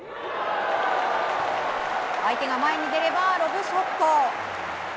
相手が前に出ればロブショット。